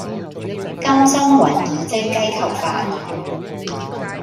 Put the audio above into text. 金針雲耳蒸雞球飯